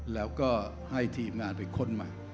แล้วก็ให้ทีมงานไปค้นมา